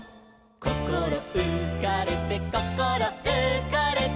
「こころうかれてこころうかれて」